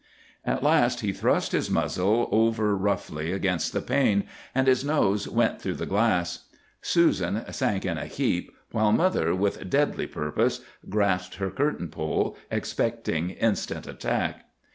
"At last he thrust his muzzle over roughly against the pane, and his nose went through the glass. Susan sank in a heap, while mother, with deadly purpose, grasped her curtain pole, expecting instant attack.